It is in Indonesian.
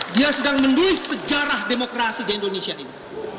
dia sedang menulis sejarah demokrasi di indonesia ini